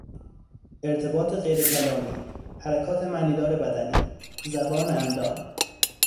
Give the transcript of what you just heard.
ارتباط غیرکلامی، حرکات معنیدار بدنی، زبان اندام